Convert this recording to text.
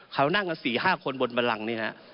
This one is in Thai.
เขานั่งกัน๔๕คนบนบรังนี่ฮะ